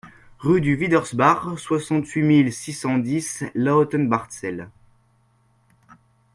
Rue du Widersbach, soixante-huit mille six cent dix Lautenbachzell